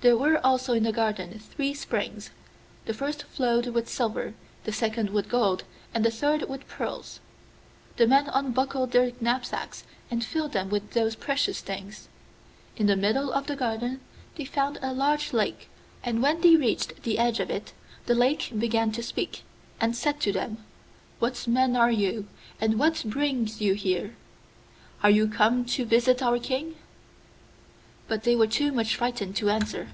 There were also in the garden three springs: the first flowed with silver, the second with gold, and the third with pearls. The men unbuckled their knapsacks and filled them with those precious things. In the middle of the garden they found a large lake, and when they reached the edge of it the Lake began to speak, and said to them, 'What men are you, and what brings you here? Are you come to visit our king?' But they were too much frightened to answer.